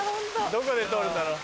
どこで撮るんだろう？